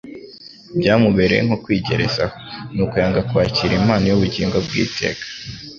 byamubereye nko kwigerezaho. Nuko yanga kwakira impano y'ubugingo bw'iteka,